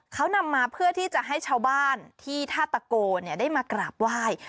เขานำมาเพื่อที่จะให้ชาวบ้านที่ท่าตะโกได้มากราบไหว้